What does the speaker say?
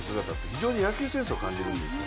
非常に野球センスを感じるんですよ。